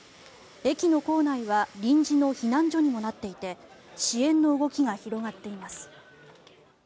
駅の構内は臨時の避難所にもなっていて支援の動きが広がっています。